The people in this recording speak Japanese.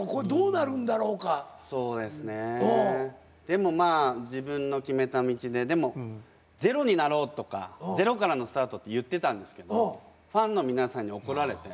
でもまあ自分の決めた道ででもゼロになろうとかゼロからのスタートって言ってたんですけどファンの皆さんに怒られて。